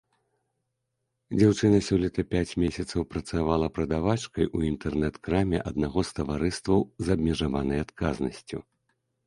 Дзяўчына сёлета пяць месяцаў працавала прадавачкай у інтэрнэт-краме аднаго з таварыстваў з абмежаванай адказнасцю.